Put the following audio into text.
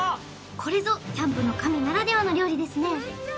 これぞキャンプの神ならではの料理ですね